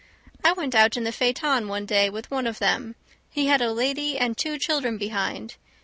I went out in the phaeton one day with one of them; he had a lady and two children behind.